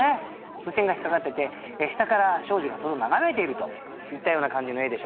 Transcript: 風船が引っかかってて下から少女がそれを眺めているといったような感じの絵でしょうかね。